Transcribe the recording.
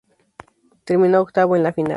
Terminó octavo en la final.